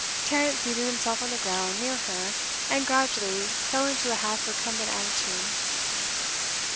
Tarrant seated himself on the ground, near her, and gradually fell into a half recumbent attitude.